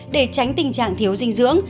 để tránh tình trạng thiếu dinh dưỡng